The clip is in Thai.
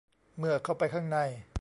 เมื่อเข้าไปข้างใน